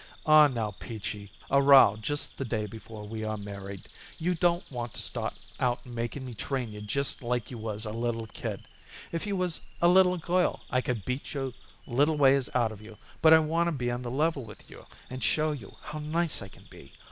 "Aw, now, Peachy, a row just the day before we are married. You don't want to start out making me train you just like you was a little kid. If you was a little girl I could beat your little ways out of you, but I wanna be on the level with you and show you how nice I can be.